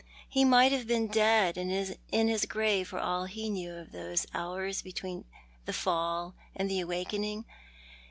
He might have been dead and in his grave for all he knew of those hours between the fall and the awakening.